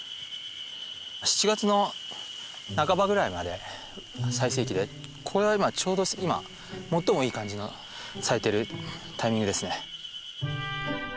７月の半ばぐらいまで最盛期でこれは今ちょうど今最もいい感じの咲いているタイミングですね。